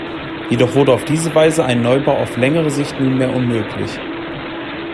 Jedoch wurde auf diese Weise ein Neubau auf längere Sicht nunmehr unmöglich.